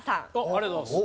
ありがとうございます。